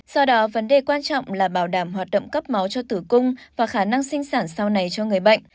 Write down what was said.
do đó vấn đề quan trọng là bảo đảm hoạt động cấp máu cho tử cung và khả năng sinh sản sau này cho người bệnh